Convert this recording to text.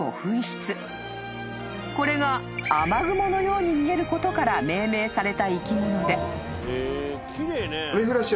［これが雨雲のように見えることから命名された生き物で］